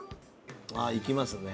ああいきますね。